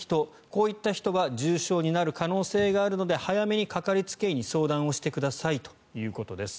こういった人は重症になる可能性があるので早めにかかりつけ医に相談をしてくださいということです。